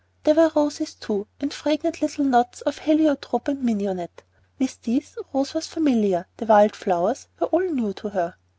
There were roses, too, and fragrant little knots of heliotrope and mignonette. With these Rose was familiar; the wild flowers were all new to her.